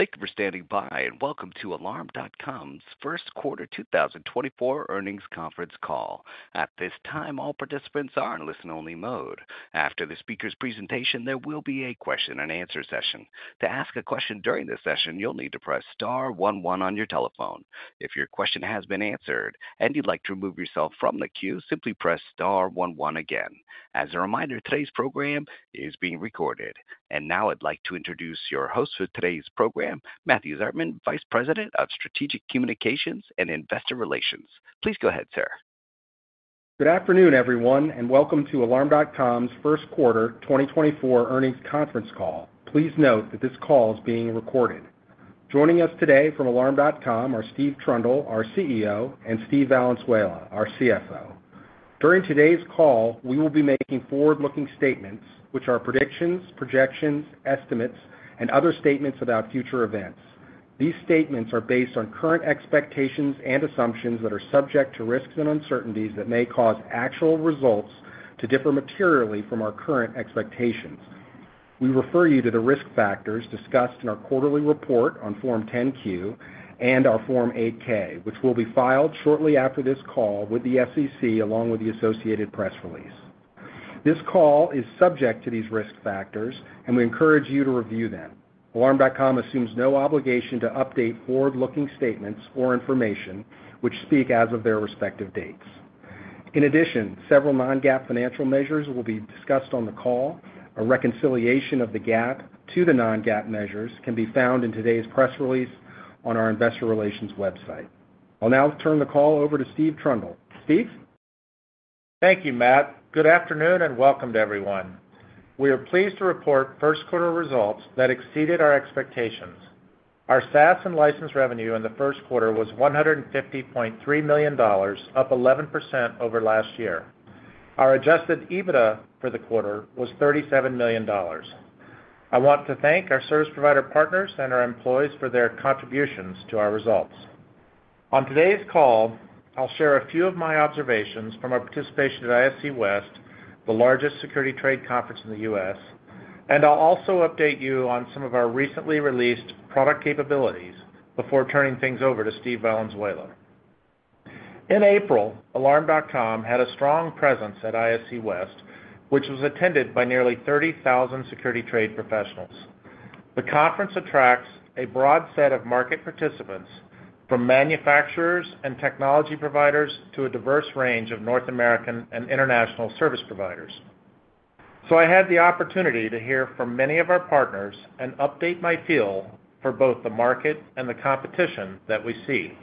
Thank you for standing by and welcome to Alarm.com's first quarter 2024 earnings conference call. At this time, all participants are in listen-only mode. After the speaker's presentation, there will be a question-and-answer session. To ask a question during this session, you'll need to press star one one on your telephone. If your question has been answered and you'd like to remove yourself from the queue, simply press star one one again. As a reminder, today's program is being recorded. And now I'd like to introduce your host for today's program, Matthew Zartman, Vice President of Strategic Communications and Investor Relations. Please go ahead, sir. Good afternoon, everyone, and welcome to Alarm.com's first quarter 2024 earnings conference call. Please note that this call is being recorded. Joining us today from Alarm.com are Steve Trundle, our CEO, and Steve Valenzuela, our CFO. During today's call, we will be making forward-looking statements, which are predictions, projections, estimates, and other statements about future events. These statements are based on current expectations and assumptions that are subject to risks and uncertainties that may cause actual results to differ materially from our current expectations. We refer you to the risk factors discussed in our quarterly report on Form 10-Q and our Form 8-K, which will be filed shortly after this call with the SEC along with the associated press release. This call is subject to these risk factors, and we encourage you to review them. Alarm.com assumes no obligation to update forward-looking statements or information which speak as of their respective dates. In addition, several non-GAAP financial measures will be discussed on the call. A reconciliation of the GAAP to the non-GAAP measures can be found in today's press release on our Investor Relations website. I'll now turn the call over to Steve Trundle. Steve? Thank you, Matt. Good afternoon and welcome to everyone. We are pleased to report first quarter results that exceeded our expectations. Our SaaS and license revenue in the first quarter was $150.3 million, up 11% over last year. Our adjusted EBITDA for the quarter was $37 million. I want to thank our service provider partners and our employees for their contributions to our results. On today's call, I'll share a few of my observations from our participation at ISC West, the largest security trade conference in the U.S., and I'll also update you on some of our recently released product capabilities before turning things over to Steve Valenzuela. In April, Alarm.com had a strong presence at ISC West, which was attended by nearly 30,000 security trade professionals. The conference attracts a broad set of market participants, from manufacturers and technology providers to a diverse range of North American and international service providers. So I had the opportunity to hear from many of our partners and update my feel for both the market and the competition that we see.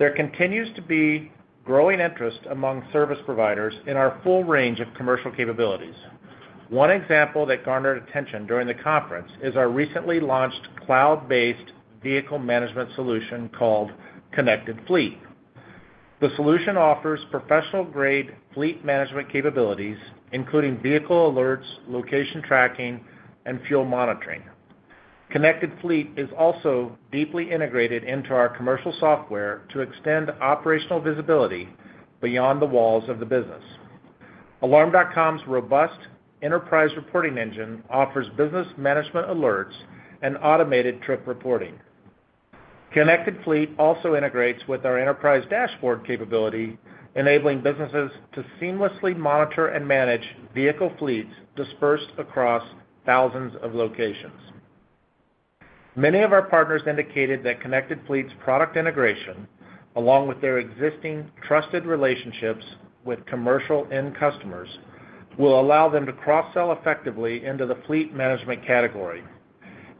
There continues to be growing interest among service providers in our full range of commercial capabilities. One example that garnered attention during the conference is our recently launched cloud-based vehicle management solution called Connected Fleet. The solution offers professional-grade fleet management capabilities, including vehicle alerts, location tracking, and fuel monitoring. Connected Fleet is also deeply integrated into our commercial software to extend operational visibility beyond the walls of the business. Alarm.com's robust enterprise reporting engine offers business management alerts and automated trip reporting. Connected Fleet also integrates with our enterprise dashboard capability, enabling businesses to seamlessly monitor and manage vehicle fleets dispersed across thousands of locations. Many of our partners indicated that Connected Fleet's product integration, along with their existing trusted relationships with commercial end customers, will allow them to cross-sell effectively into the fleet management category.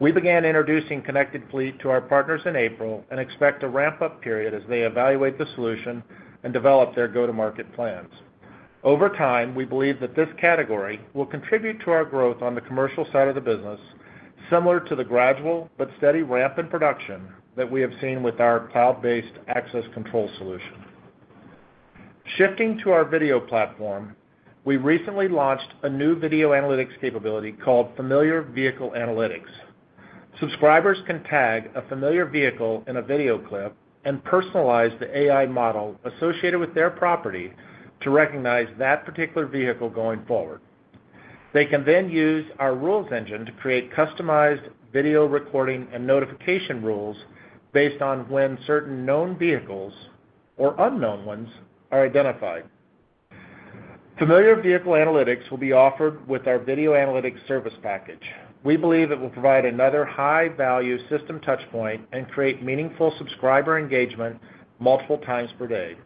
We began introducing Connected Fleet to our partners in April and expect a ramp-up period as they evaluate the solution and develop their go-to-market plans. Over time, we believe that this category will contribute to our growth on the commercial side of the business, similar to the gradual but steady ramp in production that we have seen with our cloud-based access control solution. Shifting to our video platform, we recently launched a new video analytics capability called Familiar Vehicle Analytics. Subscribers can tag a familiar vehicle in a video clip and personalize the AI model associated with their property to recognize that particular vehicle going forward. They can then use our rules engine to create customized video recording and notification rules based on when certain known vehicles or unknown ones are identified. Familiar Vehicle Analytics will be offered with our video analytics service package. We believe it will provide another high-value system touchpoint and create meaningful subscriber engagement multiple times per day.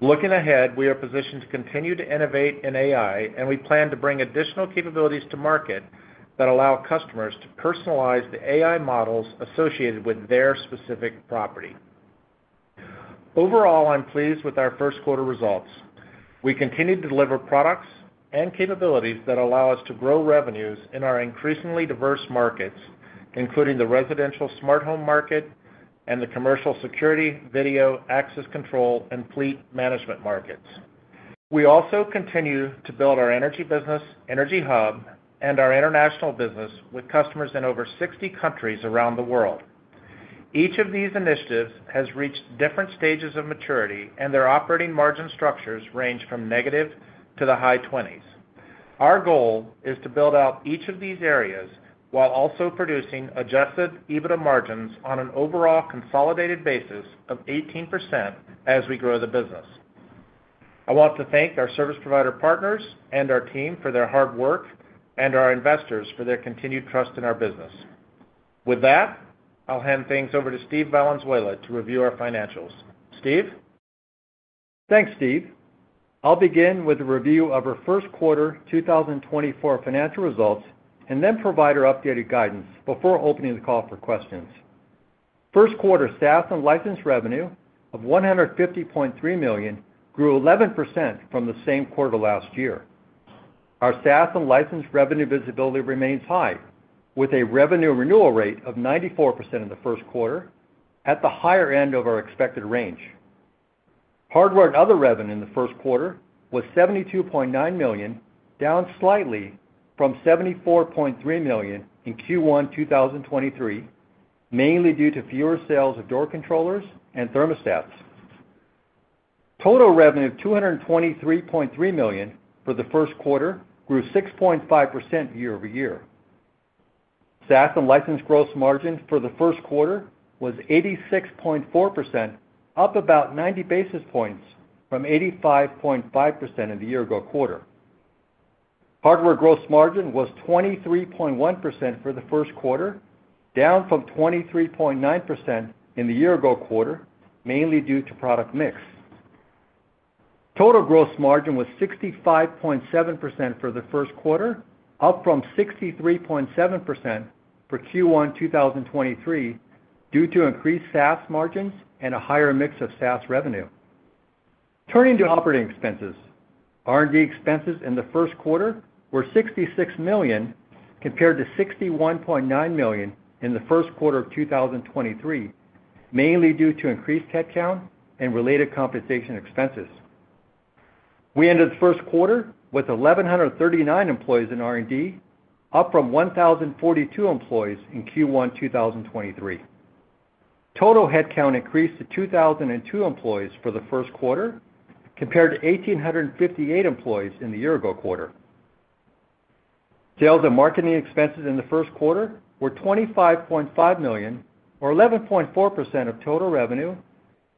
Looking ahead, we are positioned to continue to innovate in AI, and we plan to bring additional capabilities to market that allow customers to personalize the AI models associated with their specific property. Overall, I'm pleased with our first quarter results. We continue to deliver products and capabilities that allow us to grow revenues in our increasingly diverse markets, including the residential smart home market and the commercial security video access control and fleet management markets. We also continue to build our energy business, EnergyHub, and our international business with customers in over 60 countries around the world. Each of these initiatives has reached different stages of maturity, and their operating margin structures range from negative to the high 20s. Our goal is to build out each of these areas while also producing Adjusted EBITDA margins on an overall consolidated basis of 18% as we grow the business. I want to thank our service provider partners and our team for their hard work and our investors for their continued trust in our business. With that, I'll hand things over to Steve Valenzuela to review our financials. Steve? Thanks, Steve. I'll begin with a review of our first quarter 2024 financial results and then provide our updated guidance before opening the call for questions. First quarter SaaS and license revenue of $150.3 million grew 11% from the same quarter last year. Our SaaS and license revenue visibility remains high, with a revenue renewal rate of 94% in the first quarter, at the higher end of our expected range. Hardware and other revenue in the first quarter was $72.9 million, down slightly from $74.3 million in Q1 2023, mainly due to fewer sales of door controllers and thermostats. Total revenue of $223.3 million for the first quarter grew 6.5% year-over-year. SaaS and license gross margin for the first quarter was 86.4%, up about 90 basis points from 85.5% in the year-ago quarter. Hardware gross margin was 23.1% for the first quarter, down from 23.9% in the year-ago quarter, mainly due to product mix. Total gross margin was 65.7% for the first quarter, up from 63.7% for Q1 2023 due to increased SaaS margins and a higher mix of SaaS revenue. Turning to operating expenses, R&D expenses in the first quarter were $66 million compared to $61.9 million in the first quarter of 2023, mainly due to increased headcount and related compensation expenses. We ended the first quarter with 1,139 employees in R&D, up from 1,042 employees in Q1 2023. Total headcount increased to 2,002 employees for the first quarter compared to 1,858 employees in the year-ago quarter. Sales and marketing expenses in the first quarter were $25.5 million, or 11.4% of total revenue,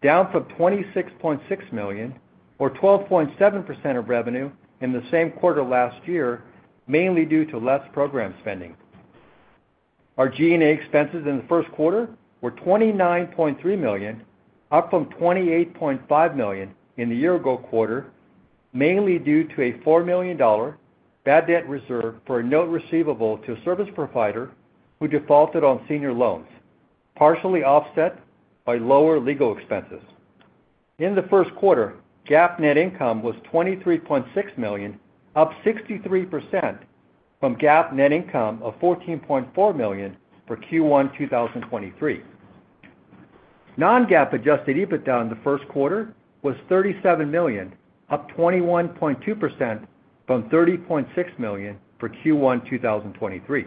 down from $26.6 million, or 12.7% of revenue in the same quarter last year, mainly due to less program spending. Our G&A expenses in the first quarter were $29.3 million, up from $28.5 million in the year-ago quarter, mainly due to a $4 million bad debt reserve for a note receivable to a service provider who defaulted on senior loans, partially offset by lower legal expenses. In the first quarter, GAAP net income was $23.6 million, up 63% from GAAP net income of $14.4 million for Q1 2023. Non-GAAP adjusted EBITDA in the first quarter was $37 million, up 21.2% from $30.6 million for Q1 2023.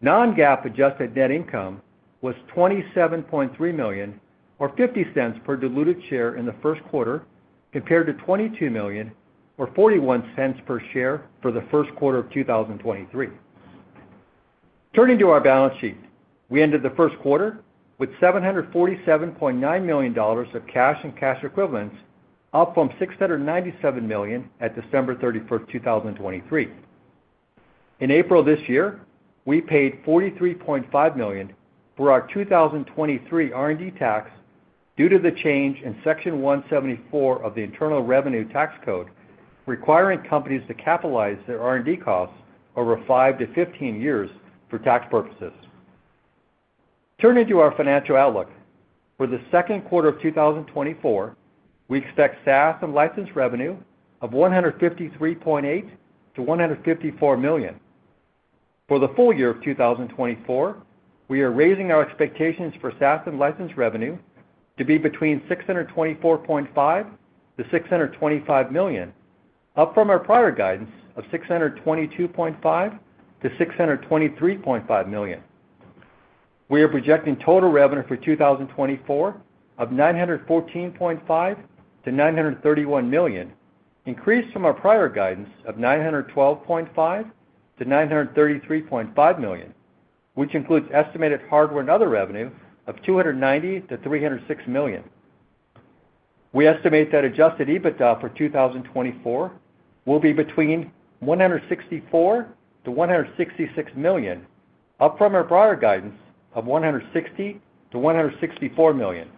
Non-GAAP adjusted net income was $27.3 million, or $0.50 per diluted share in the first quarter, compared to $22 million, or $0.41 per share for the first quarter of 2023. Turning to our balance sheet, we ended the first quarter with $747.9 million of cash and cash equivalents, up from $697 million at December 31, 2023. In April this year, we paid $43.5 million for our 2023 R&D tax due to the change in Section 174 of the Internal Revenue Tax Code, requiring companies to capitalize their R&D costs over 5 to 15 years for tax purposes. Turning to our financial outlook, for the second quarter of 2024, we expect SaaS and license revenue of $153.8-$154 million. For the full year of 2024, we are raising our expectations for SaaS and license revenue to be between $624.5-$625 million, up from our prior guidance of $622.5-$623.5 million. We are projecting total revenue for 2024 of $914.5-$931 million, increased from our prior guidance of $912.5-$933.5 million, which includes estimated hardware and other revenue of $290-$306 million. We estimate that Adjusted EBITDA for 2024 will be between $164-$166 million, up from our prior guidance of $160-$164 million.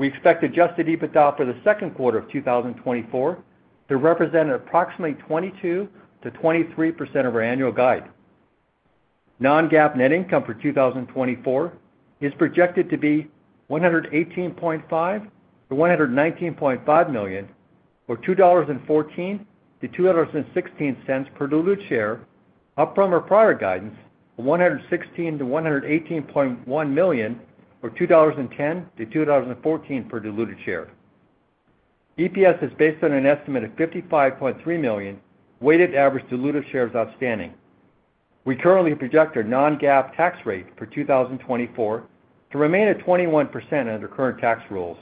We expect Adjusted EBITDA for the second quarter of 2024 to represent approximately 22%-23% of our annual guide. Non-GAAP net income for 2024 is projected to be $118.5-$119.5 million, or $2.14-$2.16 per diluted share, up from our prior guidance of $116-$118.1 million, or $2.10-$2.14 per diluted share. EPS is based on an estimate of $55.3 million weighted average diluted shares outstanding. We currently project our non-GAAP tax rate for 2024 to remain at 21% under current tax rules.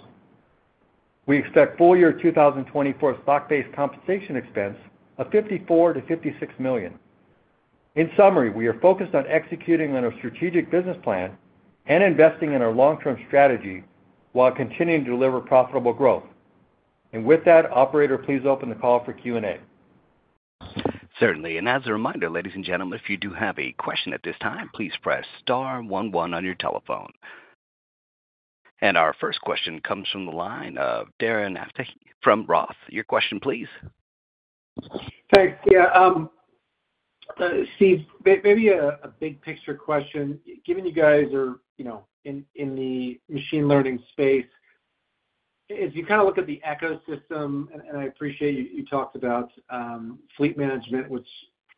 We expect full year 2024 stock-based compensation expense of $54-$56 million. In summary, we are focused on executing on our strategic business plan and investing in our long-term strategy while continuing to deliver profitable growth. With that, operator, please open the call for Q&A. Certainly. As a reminder, ladies and gentlemen, if you do have a question at this time, please press star one one on your telephone. Our first question comes from the line of Darren Aftahi from Roth. Your question, please. Thanks. Yeah. Steve, maybe a big-picture question. Given you guys are in the machine learning space, as you kind of look at the ecosystem and I appreciate you talked about fleet management, which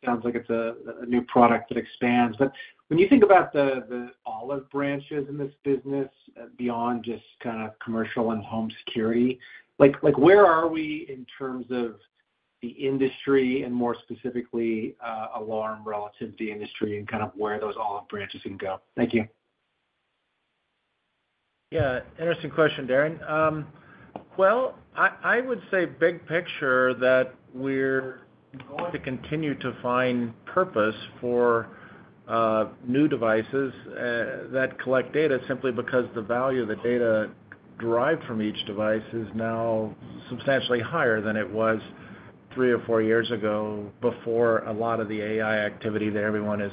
sounds like it's a new product that expands. But when you think about the other branches in this business beyond just kind of commercial and home security, where are we in terms of the industry and more specifically alarm industry and kind of where those other branches can go? Thank you. Yeah. Interesting question, Darren. Well, I would say big picture that we're going to continue to find purpose for new devices that collect data simply because the value of the data derived from each device is now substantially higher than it was three or four years ago before a lot of the AI activity that everyone is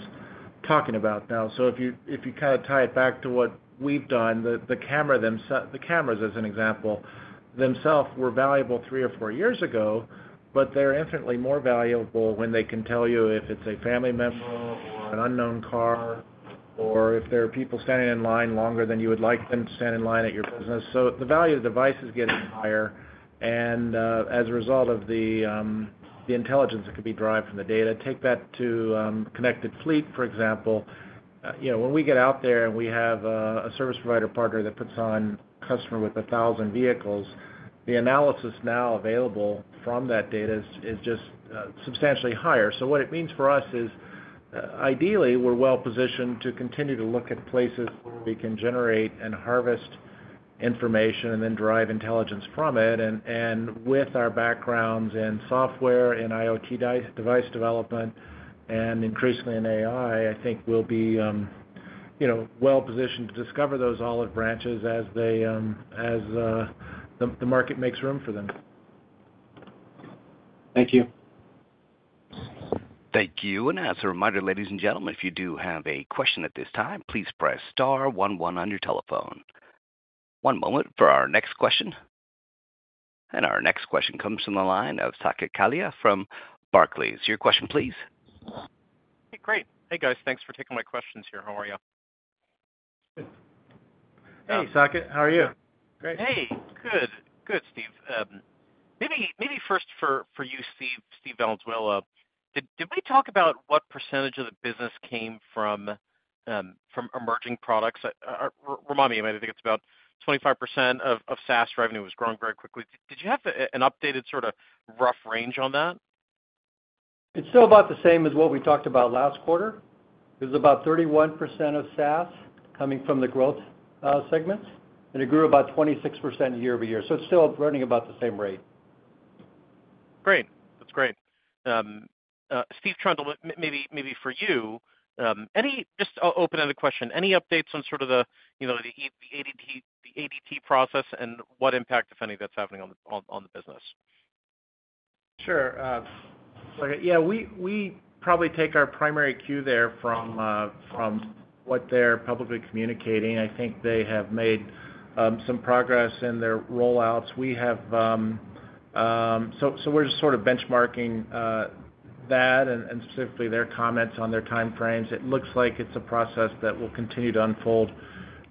talking about now. So if you kind of tie it back to what we've done, the cameras as an example themselves were valuable three or four years ago, but they're infinitely more valuable when they can tell you if it's a family member or an unknown car or if there are people standing in line longer than you would like them to stand in line at your business. So the value of the device is getting higher. As a result of the intelligence that could be derived from the data, take that to Connected Fleet, for example. When we get out there and we have a service provider partner that puts on a customer with 1,000 vehicles, the analysis now available from that data is just substantially higher. So what it means for us is, ideally, we're well-positioned to continue to look at places where we can generate and harvest information and then derive intelligence from it. And with our backgrounds in software and IoT device development and increasingly in AI, I think we'll be well-positioned to discover those olive branches as the market makes room for them. Thank you. Thank you. As a reminder, ladies and gentlemen, if you do have a question at this time, please press star one one on your telephone. One moment for our next question. Our next question comes from the line of Saket Kalia from Barclays. Your question, please. Hey, great. Hey, guys. Thanks for taking my questions here. How are you? Hey, Saket. How are you? Great. Hey. Good. Good, Steve. Maybe first for you, Steve Valenzuela, did we talk about what percentage of the business came from emerging products? Remind me, I think it's about 25% of SaaS revenue was growing very quickly. Did you have an updated sort of rough range on that? It's still about the same as what we talked about last quarter. It was about 31% of SaaS coming from the growth segments, and it grew about 26% year-over-year. So it's still running about the same rate. Great. That's great. Steve Trundle, maybe for you, just open-ended question. Any updates on sort of the ADT process and what impact, if any, that's happening on the business? Sure. Yeah. We probably take our primary cue there from what they're publicly communicating. I think they have made some progress in their rollouts. So we're just sort of benchmarking that and specifically their comments on their timeframes. It looks like it's a process that will continue to unfold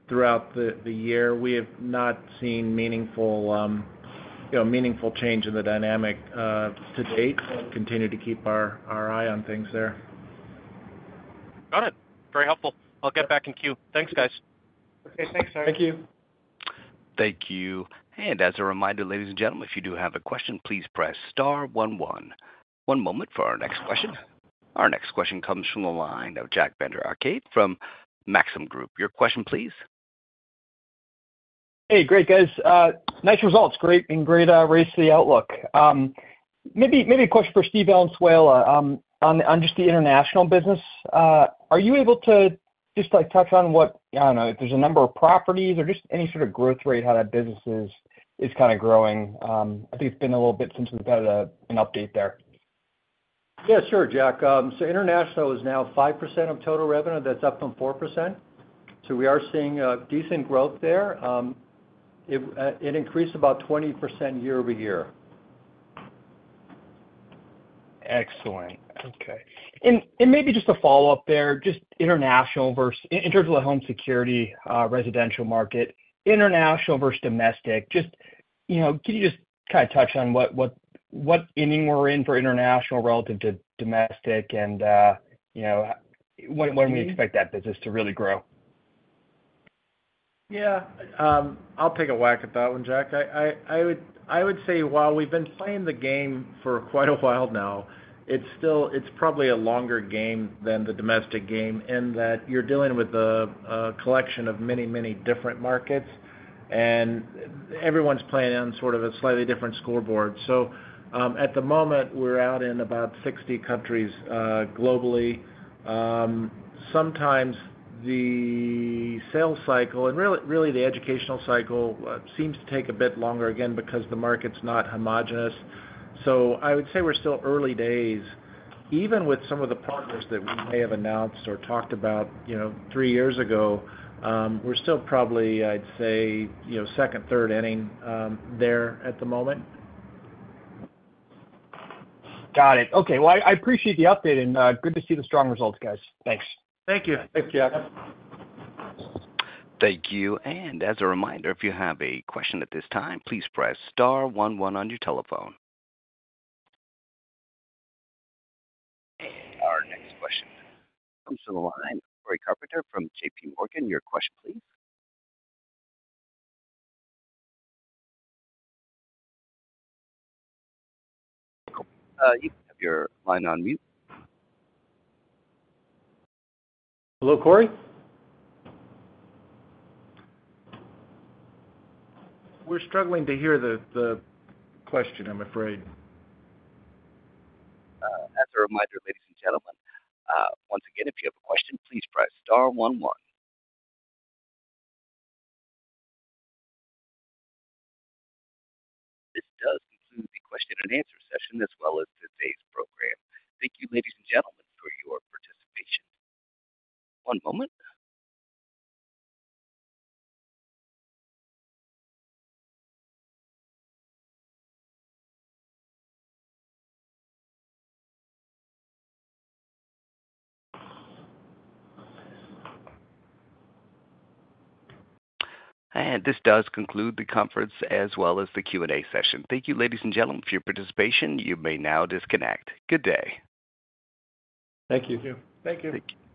throughout the year. We have not seen meaningful change in the dynamic to date. Continue to keep our eye on things there. Got it. Very helpful. I'll get back in queue. Thanks, guys. Okay. Thanks, Saket. Thank you. Thank you. And as a reminder, ladies and gentlemen, if you do have a question, please press star one one. One moment for our next question. Our next question comes from the line of Jack Vander Aarde from Maxim Group. Your question, please. Hey. Great, guys. Nice results. Great and great race to the outlook. Maybe a question for Steve Valenzuela on just the international business. Are you able to just touch on what I don't know. If there's a number of properties or just any sort of growth rate, how that business is kind of growing? I think it's been a little bit since we've had an update there. Yeah. Sure, Jack. So international is now 5% of total revenue. That's up from 4%. So we are seeing decent growth there. It increased about 20% year-over-year. Excellent. Okay. And maybe just a follow-up there. Just international versus in terms of the home security residential market, international versus domestic, can you just kind of touch on what inning we're in for international relative to domestic and when we expect that business to really grow? Yeah. I'll pick a whack at that one, Jack. I would say while we've been playing the game for quite a while now, it's probably a longer game than the domestic game in that you're dealing with a collection of many, many different markets, and everyone's playing on sort of a slightly different scoreboard. So at the moment, we're out in about 60 countries globally. Sometimes the sales cycle and really the educational cycle seems to take a bit longer again because the market's not homogeneous. So I would say we're still early days. Even with some of the partners that we may have announced or talked about three years ago, we're still probably, I'd say, second, third inning there at the moment. Got it. Okay. Well, I appreciate the update, and good to see the strong results, guys. Thanks. Thank you. Thanks, Jack. Thank you. And as a reminder, if you have a question at this time, please press star one one on your telephone. And our next question comes from the line of Cory Carpenter from JP Morgan. Your question, please. You can have your line on mute. Hello, Cory? We're struggling to hear the question, I'm afraid. As a reminder, ladies and gentlemen, once again, if you have a question, please press star one one. This does conclude the question-and-answer session as well as today's program. Thank you, ladies and gentlemen, for your participation. One moment. This does conclude the conference as well as the Q&A session. Thank you, ladies and gentlemen, for your participation. You may now disconnect. Good day. Thank you. Thank you. Thank you.